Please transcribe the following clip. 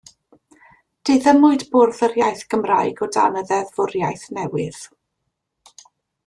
Diddymwyd Bwrdd yr Iaith Gymraeg o dan y ddeddfwriaeth newydd.